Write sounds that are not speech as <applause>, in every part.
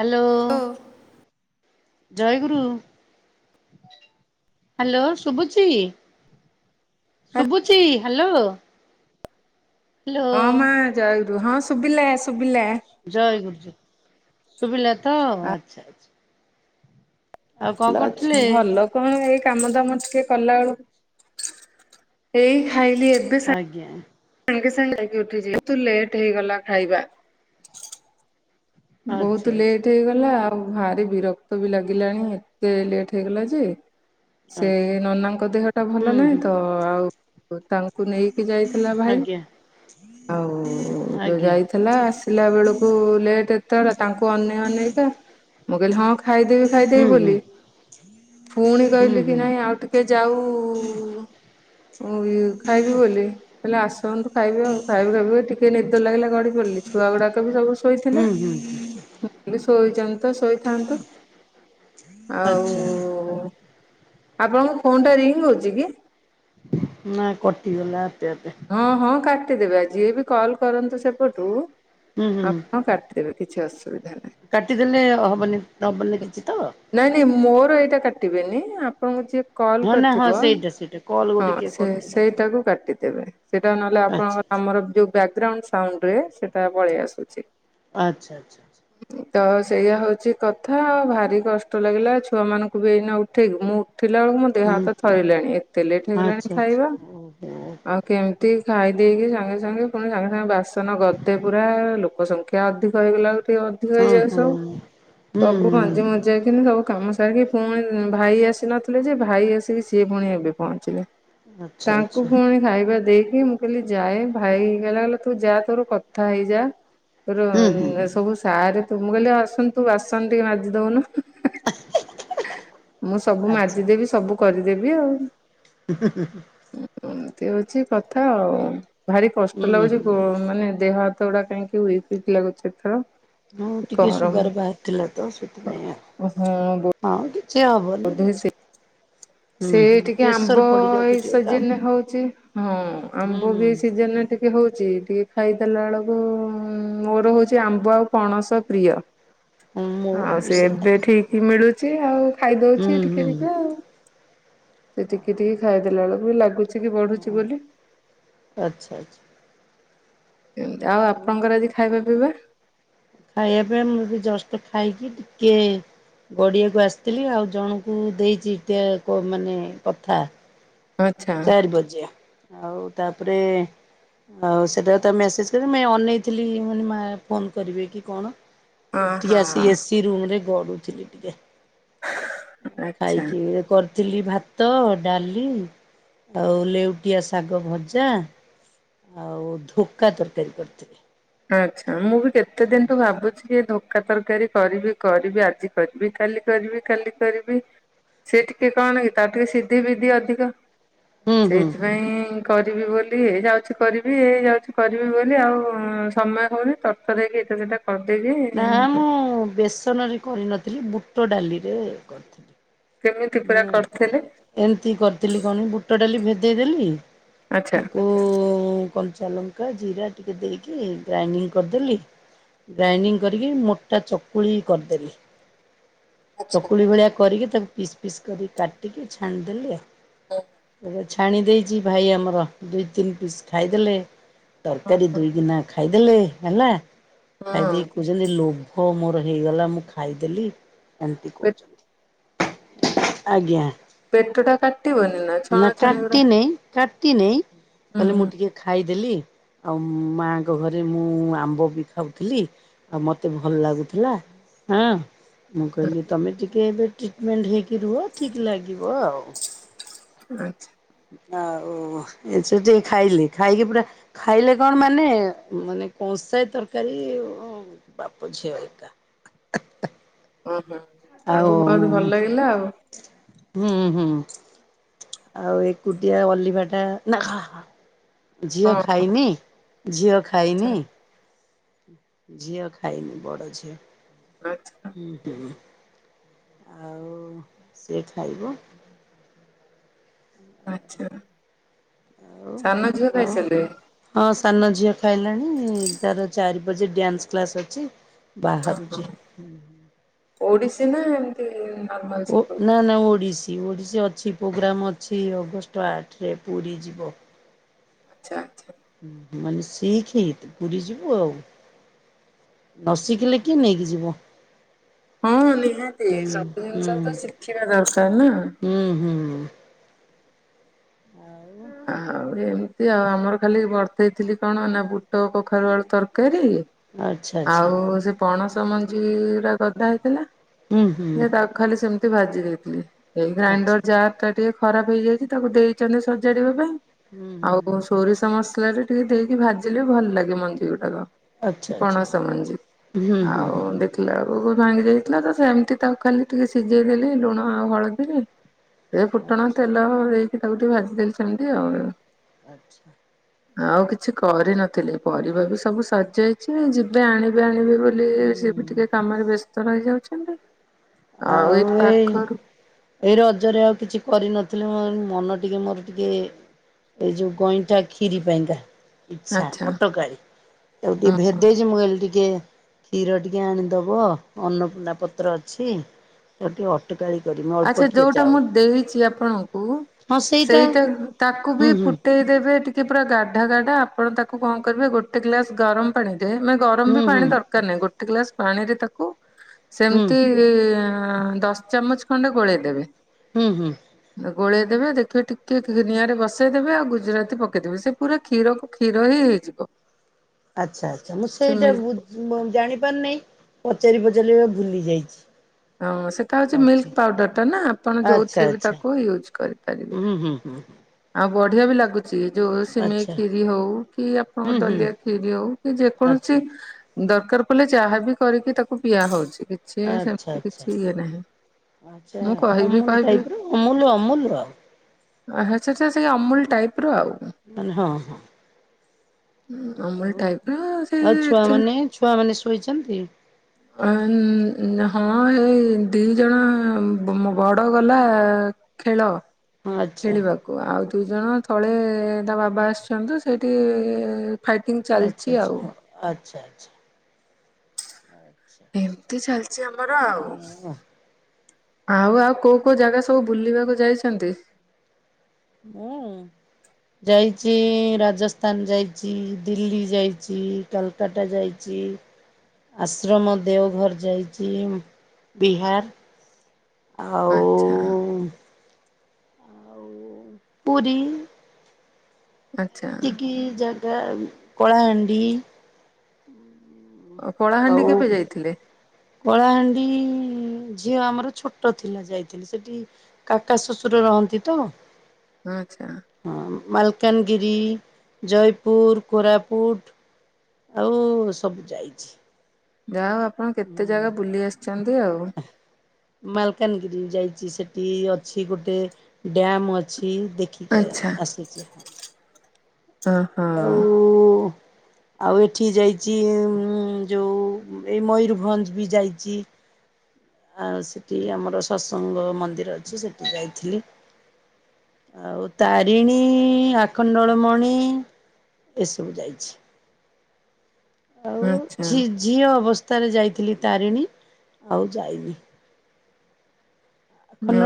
Hello hello ଜୟଗୁରୁ। Hello ଶୁଭୁଛି ଶୁଭୁଛି ହାଲୋ। ହଁ ମା ଜୟ ଗୁରୁ ହଁ ଶୁଭିଲା ଶୁଭିଲା। ଜୟ ଗୁରୁ ଶୁଭିଲା ତ ଆଚ୍ଛା ଆଚ୍ଛା। ଆଉ କଣ ଭଲ କରୁଥିଲେ ଅଛ ଭଲ କଣ ଏଇ କାମ ଦାମ ଟିକେ କଲା ବେଳକୁ ଏଇ ଖାଇଲି ଏବେ। ଆଜ୍ଞା। ସାଙ୍ଗେ ସାଙ୍ଗେ ଖାଇକି ଉଠିଛି କିନ୍ତୁ ଲେଟ୍ ହେଇଗଲା ଖାଇବା। ଆଚ୍ଛା ବହୁତ ଆଚ୍ଛା ଲେଟ୍ ହେଇଗଲା ଆଉ ଭାରି ବିରକ୍ତ ବି ଲାଗିଲାଣି ଏତେ ଲେଟ୍ ହେଇଗଲା ଯେ। ସେ ଆଚ୍ଛା ନନାଙ୍କ ଦେହଟା ହୁଁ ଭଲ ହୁଁ ନାହିଁ ତ ଆଉ ତାଙ୍କୁ ନେଇକି ଯାଇଥିଲା ଭାଇ। ଆଜ୍ଞା ଆଉ ଯୋଉ ଆଜ୍ଞା ଯାଇଥିଲା ଆସିଲା ବେଳକୁ ଲେଟ୍ ହଁ ବା ତାଙ୍କୁ ଅନେଇ ଅନେଇ କା ମୁଁ କହିଲି ହଁ ଖାଇଦେବି ହୁଁ ଖାଇଦେବି ହୁଁ ବୋଲି ପୁଣି ହୁଁ କହିଲି କି ହୁଁ ନାଇଁ ଆଉ ଟିକେ ଯାଉ। ମୁଁ କହିଲି ଖାଇବି ବୋଲି କହିଲି ଆସନ୍ତୁ ଖାଇବି ଆଉ। ଖାଇବି ଖାଇବି ବୋଲି ଟିକେ ନିଦ ଲାଗିଲା ଗଡି ପଡିଲି ଛୁଆ ଗୁଡାକ ସବୁ ସବୁ ଶୋ ହୁଁ ହୁଁ ହୁଁ। ମୁଁ କହିଲି ଶୋଇଛନ୍ତି ତ ଶୋଇଥାନ୍ତୁ। ଆଉ ଆଚ୍ଛା ଆପଣଙ୍କ ଫୋନ୍ ଟା ରିଙ୍ଗ୍ ହଉଛି କି? ନାଁ କଟିଗଲା ଆପେ ଆପେ। ହଁ ହଁ କାଟିଦେବେ ଆଜି ଯିଏ ବି କଲ୍ କରନ୍ତୁ ସେପଟୁ ହୁଁ ହୁଁ ଆପଣ କାଟିଦେବେ କିଛି ଅସୁବିଧା ନାହିଁ। କାଟିଦେଲେ ହବନି ହବନି କିଛି ତ ନାଇଁ ନାଇଁ ମୋର ଏଇଟା କାଟିବେନି ଆପଣଙ୍କୁ ଯିଏ କଲ୍ ହଁ ନା ହଁ କରିଥିବ ସେଇଟା ସେଇଟା କଲ୍ ହଁ ଗୋଟେ କିଏ ସେ କରିଥିଲା ତ ସେଇଟାକୁ କାଟିଦେବେ। ସେଇଟା ନହେଲେ ଆଚ୍ଛା ଆପଣଙ୍କର ଆମର ଯୋଉ ବ୍ୟାଗଗ୍ରାଉଣ୍ଡ୍ ସାଉଣ୍ଡରେ ସେଟା ପଳେଇ ଆସୁଛି। ଆଚ୍ଛା ଆଚ୍ଛା ଆଚ୍ଛା। ତ ସେଇଆ ହଉଛି କଥା ଭାରି କଷ୍ଟ ଲାଗିଲା ଛୁଆ ମାନଙ୍କୁ ବି ଏଇନା ଉଠେଇଲି ମୁଁ। ଉଠିଲା ବେଳକୁ ମୋ ଦେହ ହୁଁ ହାତ ଥରିଲାଣି ଏତେ ଲେଟ୍ ଆଚ୍ଛା ହେଇଗଲାଣି ଆଚ୍ଛା ଖାଇବା। ଓହୋ ଆଉ କେମିତି ଖାଇ ଦେଇକି ସାଙ୍ଗେ ସାଙ୍ଗେ ପୁଣି ସାଙ୍ଗେ ସାଙ୍ଗେ ବାସନ ଗଦେ ପୁରା ଲୋକ ସବୁ ଟିକେ ଅଧିକ ହେଇଗଲା ବେଳକୁ ଟିକେ ଅଧିକ ହଁ ହେଇଯାଏ ସବୁ ହଁ। ହୁଁ ସବୁ ମାନେ ହୁଁ ଯେମି ଯାଇକିନା ସବୁ କାମ ସାରିକି ପୁଣି ଭାଇ ଆସି ନଥିଲେ ଯେ ଭାଇ ଆସିକି ସିଏ ପୁଣି ଏବେ ପହଞ୍ଚିଲେ। ଆଚ୍ଛା ତାଙ୍କୁ ଆଚ୍ଛା ପୁଣି ଖାଇ ଦେଇକି ମୁଁ କହିଲି ଯାଏଁ ଭାଇ କହିଲା କି ତୁ ଯା ତୋର କଥା ହେଇଯା। ତୋର ହୁଁ ହୁଁ ଏ ସବୁ ସାରେ ତ ମୁଁ କହିଲି ଆସୁନୁ ତୁ ବାସନ ଟିକେ ମାଜିି ଦଉନୁ। ମୁଁ ସବୁ ଆଚ୍ଛା। ମାଜିଦେବି ସବୁ କରିଦେବି ଆଉ। ହୁଁଁ ହୁଁ ହୁଁ। ଉଁ ଏମିତି କଥା ଆଉ ଭାରି ହୁଁ କଷ୍ଟ ଲାଗୁଛି ହୁଁ ଗୋ ମାନେ ଦେହ ହାତ ଉଡା କାହିଁକି ଉଇକ୍ ଉଇକ୍ ଲାଗୁଚି ଏଥର। ହୁଁ ଟିକେ ଗରମ ସୁଗାର ବାହାରିଥିଲା ତ ସେଥିପାଇଁ ହଁ ଆଉ ଆଉ ସିଏ ହବନି ବୋଧେ ସେ କିଛି। ସେ ହୁଁ ହୁଁ ଟିକେ ପ୍ରେସର ଆମ୍ବ ପଡିଯାଉଛି ଏଇ ଟିକେ ତ। ସିଜିନରେ ହଉଛି ହଁ ହୁଁ ଆମ୍ବ ହୁଁ ବି ଏ ସିଜନରେ ଟି କେ ହୋଉଛି ଟିକେ ଖାଇଦଲା ବେଳକୁ ମୋର ହୋଉଛି ଆମ୍ବ ଆଉ ପଣସ ପ୍ରିୟ। ହଁ ମୋର ଆଉ ବି ସେ ସେଇଆ ଏବେ ଠି କି ମିଳୁଛି ଆଉ ହୁଁ ଖାଇଦଉଛି ଟିକେ ହୁଁ। ଟିକେ ଆଉ। ସେ ଟିକେ ଟିକେ ଖାଇଦେଲା ବେଳକୁ ବି ଲାଗୁ ଉଁ ଆଚ୍ଛା ଆଚ୍ଛା। ଏମତି ଆଉ ଆପଣଙ୍କର ଆଜି ଖାଇବା ପିଇବା। ଖାଇବା ପିଇବା ମୁଁ ବି ଜଷ୍ଟ ଖାଇକି ଟିକେ ଗଡ଼ିଆକୁ ଆସିଥିଲି ଆଉ ଜଣଙ୍କୁ ଦେଇଛି ଟେ କ ମାନେ କଥା ଆଚ୍ଛା ଚାରି ବଜେୟା ଆଉ ତାପରେ ଆଉ ସେଟା ତ ମେସେଜ ରେ ମେଁଇ ଅନେଇଥିଲି ମା ଫୋନ୍ କରିବେ କି କଣ। ଏଠିକି ଅହୋ ଆସି ଏସି ରୁମ ରେ ଗଡୁଥିଲି ଟିକେ। ଆଚ୍ଛା। ଖାଇକି ଏ କରିଥିଲି ଭାତ ଡାଲି ଆଉ ଲେଉଟିଆ ଶାଗ ଭଜା ଆଉ ଧୋକା ତରକାରୀ କରିିଥିଲି। ଆଚ୍ଛା ମୁଁ ବି କେତେ ଦିନ ଠୁ ଭାବୁଛି କି ଏ ଧୋ କା ତରକାରୀ କରିବି କରିବି ଆଜି କରିବି କାଲି କରିବି କାଲି କରିବି। ସେ ଟିକେ କଣ କି ତା ଟିକେ ସିଧି ବିଧି ଅଧିକ ହୁଁ ହୁଁ ସେଇଥିପାଇଁ କରିବି ବୋଲି ଏ ଯାଉଚି କରିବି ଏଇ ଯାଉଚି କରିବି ବୋଲି ଆଉ ସମୟ ହଉନି ତର୍ ତର୍ ହେଇକି ଏଟା ସେଟା କରିଦେବି ନା ମୁଁ ବେସନ ରେ କରିନଥିଲି ବୁଟ ଡାଲି ରେ କରିଥିଲି। କେମିତି ପୁରା ମୁଁ କରିଥିଲେ ଏମିତି କରିଥିଲି କଣ ବୁଟ ଡାଲି ଭେଦେଇଦେଲି ଆଚ୍ଛା। ତାକୁ କଞ୍ଚା ଲଙ୍କା ଜିରା ଟିକେ ଦେଇକି ଗ୍ରାଇଣ୍ଡିଙ୍ଗ କରିଦେଲି। ଗ୍ରାଇଣ୍ଡିଙ୍ଗ କରିକି ମୋଟା ଚକୁଳି କରିଦେଲି। ଆଚ୍ଛା ଚକୁଳି ଭଳିଆ କରିକି ତାକୁ ପିସ୍ ପିସ୍ କରିକି କାଟିକି ଛାଣିଦେଲି ଆଉ। ଛାଣି ଦେଇଚି ଭାଇ ଆମର ଦୁଇ ତିନି ପିସ୍ ଖାଇଦେଲେ ହଁ। ତରକାରୀ ଦୁଇଗିନା ଖା ଖାଇଦଲେ ହେଲା ହଁ ଖାଇଦେଇ କୋଉଚନ୍ତି ଲୋଭ ମୋର ହେଇଗଲା ମୁଁ ଖାଇଦେଲି ଏମିତି ପେ କୋଉଚନ୍ତି। ଆଜ୍ଞା। ପେଟ ଟା କାଟିବନି ନା ଛଣା ଛଣି ଗୁଡା କାଟିନେଇଁ କାଟିନେଇଁ ହୁଁ କହିଲେ ମୁଁ ଟିକେ ଖାଇଦେଲି ଆଉ ମାଆଙ୍କ ଘରେ ମୁଁ ଆମ୍ବ ବି ଖାଉଥିଲି। ଆଉ ମତେ ଭଲ ଲାଗୁଥିଲା ହଁ ମୁଁ କହିଲି ତମେ ଟିକେ ଏବେ ମେଣ୍ଢି ହେଇକି ରୁହ ଠିକ ଲାଗିବ ଆଉ। ହୁଁ ଆଚ୍ଛା ଆଚ୍ଛା। ହଁ ଆଉ ଏ ସେ ଟିକେ ଖାଇଲେ ଖାଇକି ପୁରା ଖାଇଲେ କଣ ମାନେ ମାନେ କଂସଏ ତରକାରୀ ବାପ ଝିଅ ଏକା। ଓହୋ ଆଉ ତାଙ୍କୁ ବହୁତ ଭଲ ଲାଗିଲା ଆଉ। ହୁଁ ହୁଁ। ଆଉ ଏକୁଟିଆ ଅଲିଭା ଟା ନା ହା ହା ଝିଅ ଆଚ୍ଛା ଖାଇନି ଝିଅ ଖାଇନି ଝିଅ ଖାଇନି ବଡ ଝିଅ। <inaudible> ହୁଁହୁଁ। ଆଉ ସିଏ ଖାଇବୁ। ଆଚ୍ଛା ଆଉ ସାନ ଝିଅ ଖାଇ ଆଉ ସାରିଲେଣି? ହଁ ସାନ ଝିଅ ଖାଇଲାଣି ତାର ଚାରି ବଜେ ଡ୍ୟାନ୍ସ କ୍ଲାସ ଅଛି। ଓହୋ ବାହାରୁଛି ଓଡିଶୀ ନା ଏମିତି ନର୍ମାଲ। ଓ ଶିଖଉ ନା ନା ଓଡ଼ିଶୀ। ଓଡ଼ିଶୀ ଅଛି ପ୍ରୋଗ୍ରାମ୍ ଅଛି ଅଗଷ୍ଟ ଆଠରେ ପୁରୀ ଯିବ। ଆଚ୍ଛା ଆଚ୍ଛା। ଉଁ ହୁଁ ମାନେ ଶିଖି ଇତ୍ ପୁରି ଯିବୁ ଆଉ। ନସିଖିଲେ କିଏ ନେଇକି ଯିବ। ହଁ ନିହାତି ହୁଁ ସବୁ ହୁଁ ଜିନିଷ ତ ଶିଖିବା ଦରକାର ନା। ହୁଁ ହୁଁ ଆଉ ଆଉ ଏମିତି ଆଉ ଆମର ଖାଲି ବର୍ତ୍ତଇ ଥିଲି କଣ ନା ବୁଟ କଖାରୁ ଆଳୁ ତରକାରୀ ଆଚ୍ଛା ଆଚ୍ଛା ଆଉ ସେ ପଣସ ମଞ୍ଜିା ଉରା ଗଦା ହେଇଥିଲା ହୁଁ ହୁଁ ସେ ତା ଖାଲି ସେମିତି ଭାଜି ଦେଇଥିଲି ଏଇ ଆଚ୍ଛା ଗ୍ରାଇଣ୍ଡର ଯାରଟାରେ। ଟିକେ ଖରାପ ହେଇଯାଇଛି ତାକୁ ଦେଇଛନ୍ତି ସଜାଡିବା ପାଇଁ ହୁଁ ହୁଁ ଆଉ ସ ସୋରିଷ ମସଲାରେ ଟିକେ ଦେଇକି ଭାଜିଲେ ଭଲ ଲାଗେ ମଞ୍ଜି ଗୁଡ଼ାକ। ଆଚ୍ଛା ଆଚ୍ଛା କଣସ ମଞ୍ଜି ହୁଁ ହୁଁ ଆଉ ହୁଁ ଦେ ଥିଲା ବେଳକୁ ଭାଙ୍ଗି ଯାଇଥିଲା ତ ସେମିତି ତାକୁ ଖାଲି ଟିକେ ଭିଜେଇ ଦେଲି ଲୁଣ ଆଉ ହଳଦୀରେ। ଏ ଫୁଟଣ ଆଚ୍ଛା ତେଲ ଦେଇକି ତାକୁ ଟିକେ ଭାଜିଦେଲି ସେମିତି ଆଉ। ଆଚ୍ଛା। ଆଉ କିଛି କରିନଥିଲି ପରିବା ବି ସବୁ ସରି ଯିଇଛି ଯିବେ ଆଣିବେ ଆଣିବେ ବୋ ବୋଲି ସେ ବି ହୁଁ ଟିକେ କାମରେ ବ୍ୟସ୍ତ ରହିଯାଉଛନ୍ତି ଆଉ ଏଇ ପାଖରୁ ଏଇ ରଜରେ ଆଉ କିଛି କରିନଥିଲେ ମୋର ମନ ଟିକେ ମୋର ଟିକେ ଏଇ ଯୋଉ ଗଇଁଠା କ୍ଷିରି ପାଇଁକା ଇଚ୍ଛା ଅଟକାଳି। ଆଉ ଟିକେ ଆଚ୍ଛା। ଭେଦେଇଛି ମୁଁ କହିଲି ଟିକେ କ୍ଷୀର ଟିକେ ଆଣିଦବ ଅନ୍ନପୂର୍ଣ୍ଣା ପତ୍ର ଛି। ଆଚ୍ଛା ଯୋଉଟା ଚାଉଳ ମୁଁ ଦେଇଛି ଆପଣଙ୍କୁ ସେଇଟା ତାକୁ ବି ହୁଁ ହୁଁ ଫୁଟେଇ ଦେବେ ଟି ପୁରା ଗାଢା ଗାଢା ଆପଣ ତାକୁ କଣ କରିବେ ଗୋଟେ ଗ୍ଲାସ ଗରମ ପାଣି ରେ ମାନେ ଗରମ ହୁଁ ବି ହୁଁ ପାଣି ଦର କାର ନାଇଁ ଗୋଟେ ଗ୍ଲାସ୍ ପାଣିରେ ତାକୁ ହୁଁ ସେମିତି ଦଶ ଚାମଚ୍ ଖଣ୍ଡେ ଗୋଳେଇ ଦେବେ। ହୁଁ ହୁଁ। ଗୋଳେଇ ଦେବେ ଦେଖିବେ ଟିକେ ନିଆଁରେ ବସେଇଦେବେ ଆଉ ଗୁଜୁରାତି ପକେଇଦେବେ ସେ ପୁରା କ୍ଷୀରକୁ କ୍ଷୀର ହି ହେଇଯିବ। ଆଚ୍ଛା ଆଚ୍ଛା ମୁଁ ସେ ସେଇଟା ମିଲ୍କ ବୁ ଜାଣି ପାରୁନେଇ ପଚାରି ପଚାରିବି ବୋଲି ଭୁଲି ଯାଇଚି। ହଁ ସେଟା ହେଉଚି ମିଲ୍କ୍ ପାଉଡର ଟା ନା ଆପଣ ଯଉଥିରେ ବି ତାକୁ ୟୁଜ୍ କରିପାରିବେ। ହୁଁ ହୁଁ ହୁଁ। ଆଉ ବଢ଼ିଆ ବି ଲାଗୁ ସେ ଜୋଉ ସିମେଇ ଖିରି ହଉ କି ଆପଣଙ୍କ ଦଲିଆ ଖିରି ହଉ କି ଯେକୌଣସି ଆଚ୍ଛା ଦରକାର ପଡ଼ିଲେ ଚାହା ବି କରିକି ତାକୁ ପିଆ ହଉଛି। କିଛି ଆଚ୍ଛା ସେମିତି ଆଚ୍ଛା କିଛି ଇଏ ନାହିଁ। ଆଚ୍ଛା ମୁଁ କହିବି ଅମୁଲ୍ ଟାଇପ୍ ର ଅମୁଲ୍ ଅମୁଲ୍ ଆଉ ଆହା ସେଟା ସେଇ ଅମୁଲ୍ ଟାଇପ୍ ର ଆଉ। ମାନେ ହଁ ହଁ। ହୁଁ ଅମୁଲ୍ ଟାଇପ୍ ର ସେ ଚୁ ଛୁଆ ମାନେ ଶୋଇଚନ୍ତି? ଅନ୍ ହଁ ଏଇ ଦି ଜଣ ବ ବଡ଼ ଗଲା ଖେଳ ଆଚ୍ଛା ଖେଳିବ ଛୁଆ ଆଉ ଦୁଇ ଜଣ ତଳେ ତା ବାବା ଆସିଚନ୍ତି ସେଇଟିଇ ଆଚ୍ଛା ଆଚ୍ଛା ହଁ ଆଚ୍ଛା ଆଚା। ଏମତି ଚାଲଚି ଆମର ଆଉ। ଆଉ ଆଉ କୋଉ କୋଉ ଜାଗା ସବୁ ବୁଲିବାକୁ ଯାଇଚନ୍ତି? ମୁଁ। ଯାଇଚିଇ ରାଜସ୍ଥାନ୍ ଯାଇଚି, ଦିଲ୍ଲୀ ଯାଇଚି। କାଲ୍କାଟା ଯାଇଚି। ଆଶ୍ରମ ଦେଓଭର୍ ଯାଇଚି, ଉଂ ବିହାର। ଆଚ୍ଛା ଆଉଉ ପୁରୀ ଆଚ୍ଛା ଏତିକି ଜାଗା କଳାହାଣ୍ଡି ଅ, କଳାହାଣ୍ଡି ଆଉ କେବେ ଯାଇଥିଲେ? କଳାହାଣ୍ଡିଇ ଝିଅ ଆମର ଛୋଟ ଥିଲା ଯାଇଥିଲି। ସେଠି କାକା ଶଶୁର ରହନ୍ତି ତ। ଆଚ୍ଛା। ମାଲକାନଗିରି, ଜୟପୁର୍, କୋରାପୁଟ୍। ଆଉଉ ସବୁ ଯାଇଚି। ଯାହା ହଉ ଆପଣ କେତେ ଜାଗା ବୁଲି ଆସ୍ଚନ୍ତି ଆଉ। ମାଲକାନଗିରି ଯାଇଚି ସେଠି ଅଛି ଗୋଟେ ଡ୍ୟାମ୍ ଅଛି ଦେଖି ଯାଆ ଆଚ୍ଛା ଆସିଚି। ହଁ ହ। ଆଉଉ ଆଉ ଏଠି ଯାଇଚି ଉଁ ଯଉ ଏଇ ମୟୂରଭଞ୍ଜ୍ ବି ଯାଇଚି। ଆଉ ସେଠି ଆମର ସସଙ୍ଗ ମନ୍ଦିର ଅଛି ସେଠି ଯାଇଥିଲି। ଆଉ ତାରିଣୀଇ, ଆଖଣ୍ଡଳ ମଣି। ଏସବୁ ଯାଇଛି। ଆଉ ଆଚ୍ଛା ଝି ଝିଅ ଅବସ୍ଥାରେ ଯାଇଥିଲି ତାରିଣୀ ଆଉ ଯାଇନି।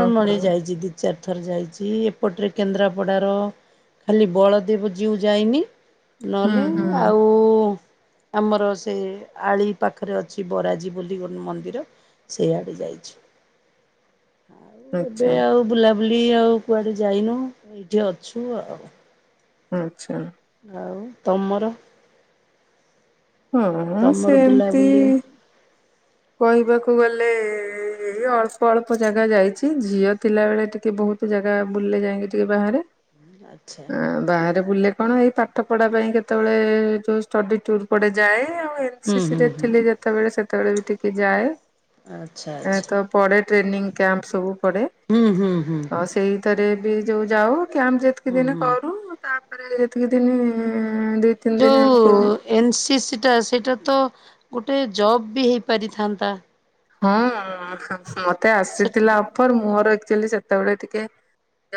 ଓହୋ ଯାଇଚି ଦି ଚାରି ଥର ଯାଇଚି। ଏପଟରେ କେନ୍ଦ୍ରାପଡ଼ାର ଖାଲି ବଳଦେବଜୀଉ ଯାଇନି ହୁଁ ନହଲେ ହୁଁ ଆଉ ଆମର ସେ ଆଳି ପାଖରେ ଅଛି ବରାଜୀ ବୋଲି ଗୋଟେ ମନ୍ଦିର ସେଇଆଡ଼େ ଯାଇଛି। ଆଉ ଏବେ ଆଚ୍ଛା ଆଉ ବୁଲାବୁଲି ଆଉ କୁଆଡ଼େ ଯାଇନୁ ଏଠି ଅଛୁ ଆଉ। ଆଚ୍ଛା। ଆଉ ତମର? ହଁ, ତମର ସେମିତି ବୁଲାବୁଲି କହିବାକୁ ଗଲେ ଏଇ ଅଳ୍ପ ଅଳ୍ପ ଜାଗା ଯାଇଛି, ଝିଅ ଥିଲା ବେଳେ ଟିକେ ବହୁତ ଜାଗା ବୁଲିଲେ ଯାଇକି ଟିକେ ବାହାରେ ଆଚ୍ଛା ଆ ବାହାରେ ବୁଲିଲେ କଣ ଏଇ ପାଠ ପଢ଼ା ପାଇଁ କେତେବେଳେ ଯୋଉ ଷ୍ଟଡି ଟୁୁର ପଡେ ଯାଏ ଆଉ ହୁଁ ଏନସିସି ହୁଁ ରେ ହୁଁ। ଥିଲି ଯେତେବେଳେ ସେତେବେଳେ ବି ଟିକେ ଯାଏ। ଆଚ୍ଛା ଏ ଆଚ୍ଛା ତ ପଡେ ଟ୍ରେନିଂ କ୍ୟାମ୍ପ ସବୁ ପଡେ, ହୁଁ ହୁଁ ହୁଁ ତ ସେଇ ଭିତରେ ବି ଯଉ ଯାଉ କ୍ୟାମ୍ପ ଯେତିକି ହୁଁ ଦିନ ହୁଁ। କରୁ, ତାପରେ ଯେତିକି ଦିନି ଦି ତିନି ଦିନି ଯୋଉ ଆମକୁ ଏନ୍ ସି ସିଟା ସେଇଟା ତ ଗୋଟେ ଜବ୍ ବି ହେଇପାରିଥାନ୍ତା? ହଁ, ମତେ ସେ ଆସିଥିଲା ଅଫର ମୋର ଆକଚୁଆଲି ସେତେବେଳେ ଟିକେ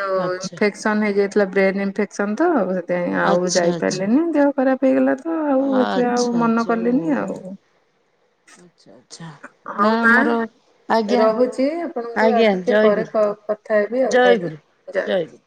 ଯଉ ଆଚ୍ଛା ଇନଫେକ୍ସନ ହେଇଯାଇଥିଲା ବ୍ରେନ ଇନଫେକ୍ସନ ତ ସେ ଏତେ ଆଉ ଆଚ୍ଛା ଆଚ୍ଛା ଯାଇପାରିଲିନି ଦେହ ଖରାପ ହେଇଗଲା ତ ଆଉ ଏତେ ଆଉ ଆଚ୍ଛା ମନ କଲିନି ଆଉ। ଆଛା ଆଚ୍ଛା ହଉ ନା ମା ଆମର ଆଜ୍ଞା ରହୁଛି ଆପଣଙ୍କୁ ଆଉ ଆଜ୍ଞା ଟିକେ ପରେ ଜୟଗରୁ। କ- କଥା ହେବି ଆଉ ଆଜ୍ଞା ଜୟଗୁରୁ, ଜୟ ଗୁରୁ।